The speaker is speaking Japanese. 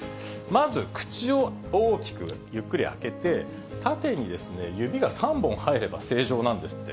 まず口を大きくゆっくり開けて、縦に指が３本入れば正常なんですって。